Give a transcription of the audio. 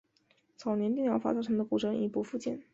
早年电疗法造成的骨折已不复见。